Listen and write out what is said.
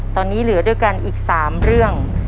ตอนนี้เหลือด้วยกันอีก๓เรื่อง